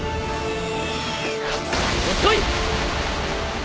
遅い！